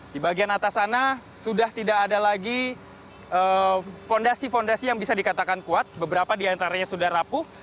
di bagian atas sana sudah tidak ada lagi fondasi fondasi yang bisa dikatakan kuat beberapa diantaranya sudah rapuh